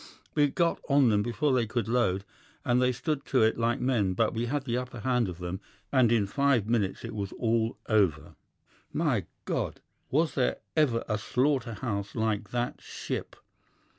We got on them before they could load, and they stood to it like men; but we had the upper hand of them, and in five minutes it was all over. My God! Was there ever a slaughter house like that ship!